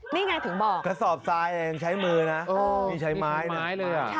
นี่ไงถึงบอกกระสอบทรายเองใช้มือนะนี่ใช้ไม้นะ